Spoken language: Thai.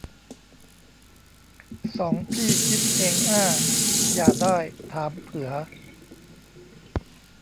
สองพี่คิดเองอ้า อย่าได้ถามเผือ